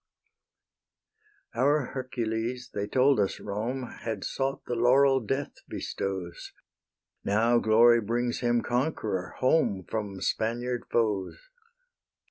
Our Hercules, they told us, Rome, Had sought the laurel Death bestows: Now Glory brings him conqueror home From Spaniard foes.